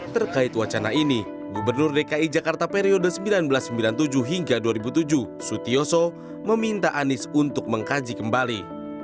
terkait wacana ini gubernur dki jakarta periode seribu sembilan ratus sembilan puluh tujuh hingga dua ribu tujuh sutioso meminta anies untuk mengkaji kembali